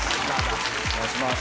お願いします。